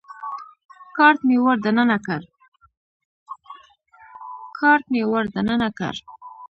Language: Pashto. کارت مې ور دننه کړ.